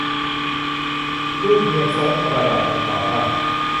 รูปเฮียซ้งประดับบนฝาบ้าน